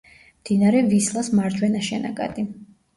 მდინარე ვისლას მარჯვენა შენაკადი.